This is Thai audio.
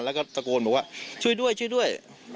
แล้วก็ตะโกนบอกว่าช่วยด้วยช่วยด้วย